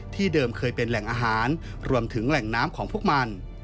เดิมเคยเป็นแหล่งอาหารรวมถึงแหล่งน้ำของพวกมัน